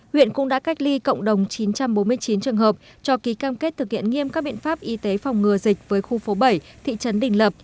huyện cũng đã cách ly cộng đồng chín trăm bốn mươi chín trường hợp cho ký cam kết thực hiện nghiêm các biện pháp y tế phòng ngừa dịch với khu phố bảy thị trấn đình lập